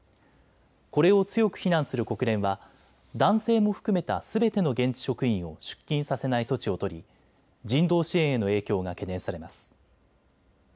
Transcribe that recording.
これを強く非難する国連は男性も含めたすべての現地職員を出勤させない措置を取り人道支援への影響が懸念されます。